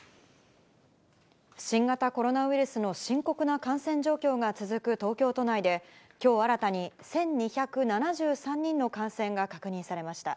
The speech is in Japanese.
新型コロナウイルスの深刻な感染状況が続く東京都内で、きょう新たに１２７３人の感染が確認されました。